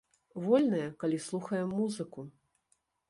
Вольныя, калі слухаем музыку.